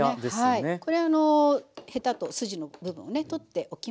これあのヘタと筋の部分をね取っておきました。